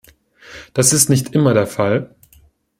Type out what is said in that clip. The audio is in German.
Das ist nicht immer der Fall.